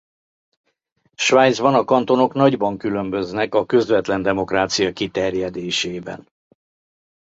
Svájcban a kantonok nagyban különböznek a közvetlen demokrácia kiterjedésében.